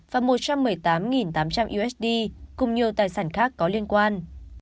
và một trăm một mươi tám tám trăm linh usd cùng nhiều tài sản khác có liên quan